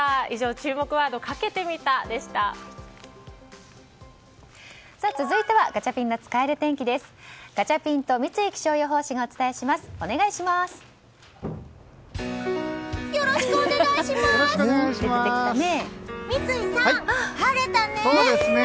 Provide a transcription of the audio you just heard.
以上続いてはガチャピンの使える天気です。